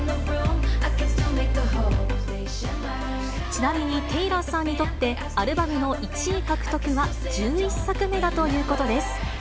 ちなみにテイラーさんにとって、アルバムの１位獲得は、１１作目だということです。